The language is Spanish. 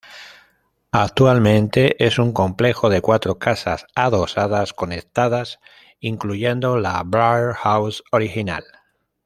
Actualmente es un complejo de cuatro casas adosadas conectadas, incluyendo la Blair House original.